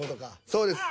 そうです。